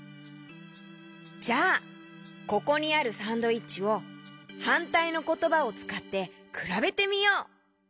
じゃあここにあるサンドイッチをはんたいのことばをつかってくらべてみよう！